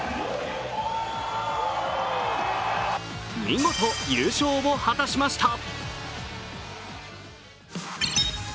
見事、優勝を果たしました。